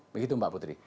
begitu mbak putri